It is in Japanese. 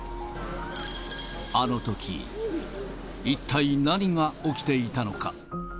あのとき、一体何が起きていたのか。